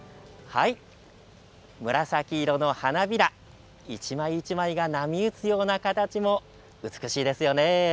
紫色の花びら一枚一枚が波打つような形も美しいですよね。